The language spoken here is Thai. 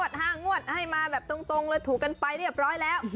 โอ้ตัดทองเขาให้๓งวด๕งวดให้มาแบบตรงเลยถูกกันไปเรียบร้อยแล้ว